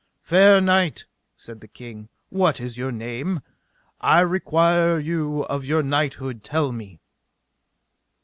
Fair knight, said the king, what is your name? I require you of your knighthood tell me!